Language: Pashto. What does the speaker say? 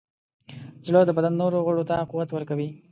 زړه د بدن نورو غړو ته قوت ورکوي.